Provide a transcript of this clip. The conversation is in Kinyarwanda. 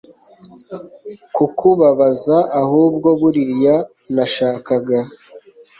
kukubabaza ahubwo buriya nashakaga